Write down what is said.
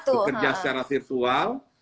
bekerja secara virtual